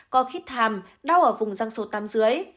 co khít hàm đau ở vùng răng số tám dưới